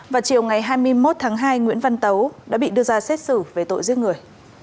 vào chiều ngày hai mươi một tháng hai nguyễn văn tấu đã bị đưa ra xét xử về tội giết người